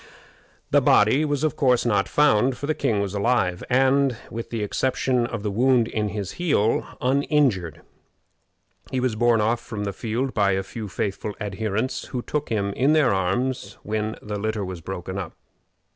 The body was, of course, not found, for the king was alive, and, with the exception of the wound in his heel, uninjured. He was borne off from the field by a few faithful adherents, who took him in their arms when the litter was broken up.